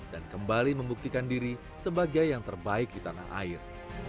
dan kembali membuktikan diri sebagai yang terbaik di tanah air